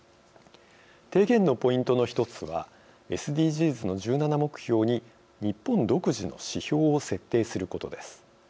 提言のポイントの１つはＳＤＧｓの１７目標に日本独自の指標を設定することです。